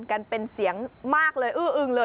กันเป็นเสียงมากเลยอื้ออึงเลย